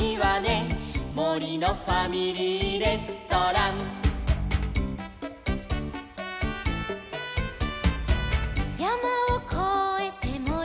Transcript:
「もりのファミリーレストラン」「やまをこえてもりのおく」